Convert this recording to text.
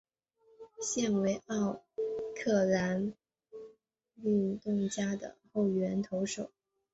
现为奥克兰运动家的后援投手。